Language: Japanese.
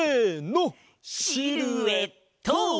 シルエット！